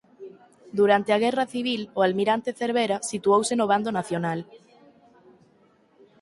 Durante a guerra civil o Almirante Cervera situouse no bando nacional.